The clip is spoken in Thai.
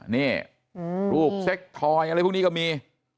นี่รูปเซ็กทอยอะไรพวกนี้ก็มี